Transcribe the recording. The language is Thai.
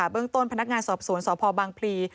เรื่องต้นพนักงานสอบสวนสพบางพลี